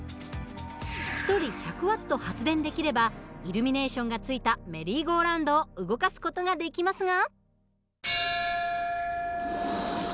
１人１００Ｗ発電できればイルミネーションがついたメリーゴーラウンドを動かす事ができますが。